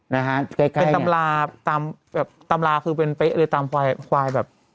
นะฮะเป็นตำราตามแบบตำราคือเป็นเป๊ะเลยตามควายควายแบบ